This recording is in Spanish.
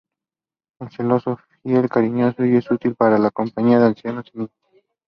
Es celoso, fiel, cariñoso y es útil para la compañía de ancianos y niños.